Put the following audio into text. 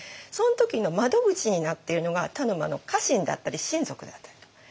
その時の窓口になっているのが田沼の家臣だったり親族だったりと。